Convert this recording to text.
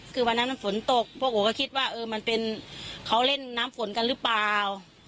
คือวันนั้นมันฝนตกพวกหนูก็คิดว่าเออมันเป็นเขาเล่นน้ำฝนกันหรือเปล่า